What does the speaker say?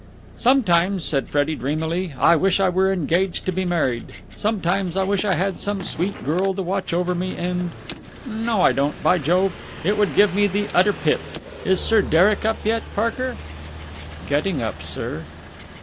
"Sometimes," said Freddie dreamily, "I wish I were engaged to be married. Sometimes I wish I had some sweet girl to watch over me and.... No, I don't, by Jove. It would give me the utter pip! Is Sir Derek up yet, Barker?" "Getting up, sir."